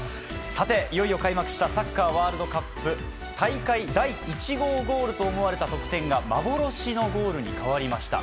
さて、いよいよ開幕したサッカーワールドカップ。大会第１号ゴールと思われた得点が幻のゴールに変わりました。